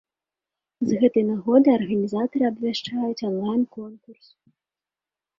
З гэтай нагоды арганізатары абвяшчаюць онлайн-конкурс.